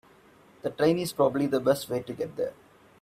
The train is probably the best way to get there.